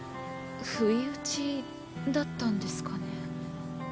不意打ちだったんですかね。